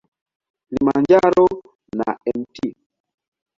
Kilimanjaro na Mt.